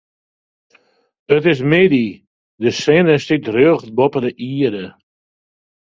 It is middei, de sinne stiet rjocht boppe de ierde.